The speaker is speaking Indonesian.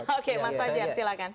oke mas wajar silakan